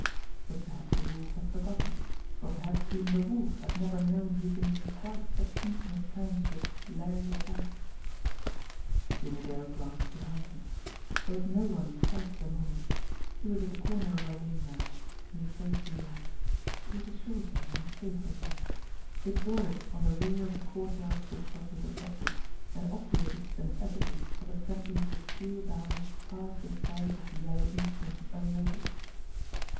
But perhaps the Wolf had forgotten, or perhaps even the Wolf had never known he had been on quite such intimate terms with Larry the Bat. Jimmie Dale glanced behind him. There was no one in sight for the moment. He was at the corner of a lane now and he chose the lane. It was a shorter, and a safer route. It bordered on the rear of the courtyard which was his objective, and obviated the necessity of attempting to steal down past the side of "The Yellow Eastern" unnoticed.